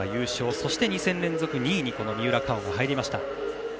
そして２戦連続２位に三浦佳生は入りました。